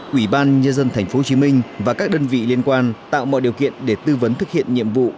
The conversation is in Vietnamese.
quỹ ban nhân dân tp hcm và các đơn vị liên quan tạo mọi điều kiện để tư vấn thực hiện nhiệm vụ